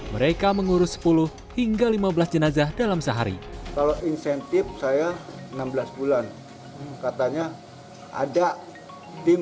mereka mengurus sepuluh hingga lima belas jenazah dalam sehari kalau insentif saya enam belas bulan katanya ada tim